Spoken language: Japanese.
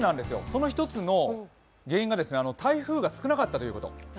その一つの原因が台風が少なかったということ。